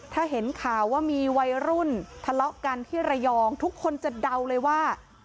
ถ้าเห็นข่าวว่ามีวัยรุ่นทะเลาะกันที่ระยองทุกคนจะเดาเลยว่า